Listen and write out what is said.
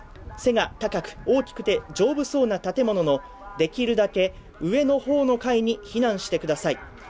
背が高く、大きくて丈夫そうな建物できるだけ上の方の階に避難してください。